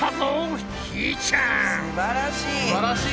すばらしい！